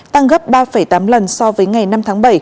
tăng gấp ba tám lần so với ngày năm tháng bảy